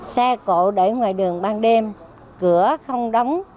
xe cộ để ngoài đường ban đêm cửa không đóng